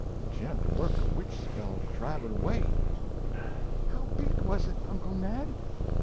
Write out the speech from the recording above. and she had to work a witch spell to drive it away." "How big was it, Uncle Ned?"